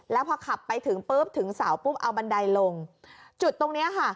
แล้วพอขับไปถึงปุ๊บถึงเสาปุ๊บเอาบันไดลงจุดตรงเนี้ยค่ะ